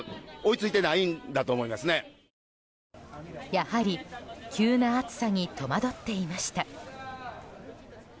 やはり、急な暑さに戸惑っていました。